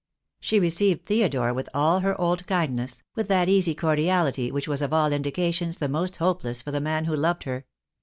She received Theodore with all her old kindness, with that easy cordiality which was of all indications the most hopeless for the man who loved her.